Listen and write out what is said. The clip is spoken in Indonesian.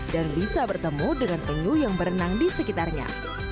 dan bisa bertemu dengan penyuh yang berenang di sekitarnya